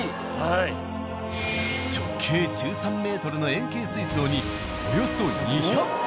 直径１３ｍの円形水槽におよそ２００匹！